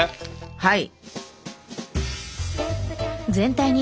はい！